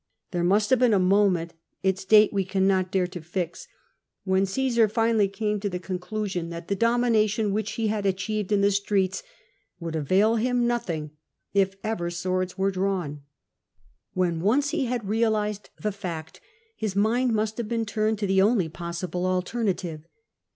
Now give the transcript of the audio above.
There must have been a moment, its date we cannot dare to fix, when CiBsar finally came to the conclusion that the domination which he had achieved in bhe streets would avail him nothing if ever swords were drawn. When once he had realised the fact, his mind must have been turned to the only possible alternative.